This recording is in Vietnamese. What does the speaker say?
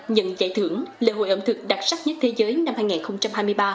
nhận giải thưởng lễ hội ẩm thực đặc sắc nhất thế giới năm hai nghìn hai mươi ba